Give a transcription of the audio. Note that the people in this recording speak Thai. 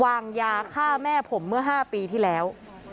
วางยาฆ่าแม่ผมเมื่อ๕ปีที่แล้ว